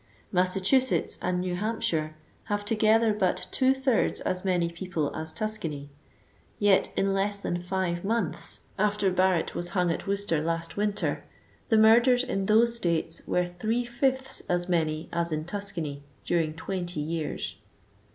Massachusetts and New Hampshire have together but two thirds as many people as Tuscany ; yet in less than five months after Barrett was hung at Worcester last winter, the murders in those states were three fifths as many as in Tuscany during twenty years.